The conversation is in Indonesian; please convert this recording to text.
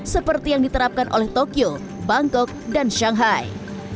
seperti yang diterapkan oleh tokyo bangkok dan shanghai